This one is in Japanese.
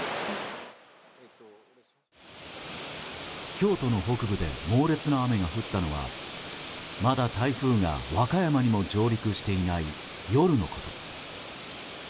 京都の北部で猛烈な雨が降ったのはまだ台風が和歌山にも上陸していない夜のこと。